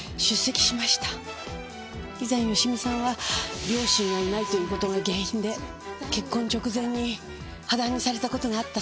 以前芳美さんは両親がいないという事が原因で結婚直前に破談にされた事があったそうです。